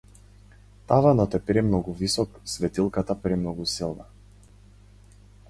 Таванот е премногу висок, светилката премногу силна.